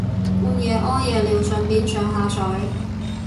半夜屙夜尿順便上下水